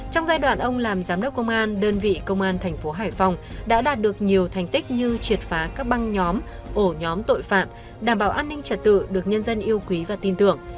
trong giai đoạn ông làm giám đốc công an đơn vị công an thành phố hải phòng đã đạt được nhiều thành tích như triệt phá các băng nhóm ổ nhóm tội phạm đảm bảo an ninh trật tự được nhân dân yêu quý và tin tưởng